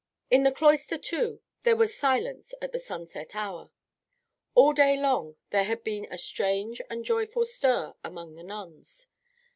In the cloister, too, there was silence at the sunset hour. All day long there had been a strange and joyful stir among the nuns.